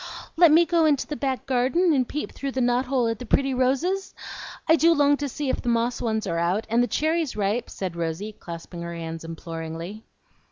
"Let me go in the back garden and peep through the knot hole at the pretty roses. I do long to see if the moss ones are out, and the cherries ripe," said Rosy, clasping her hands imploringly.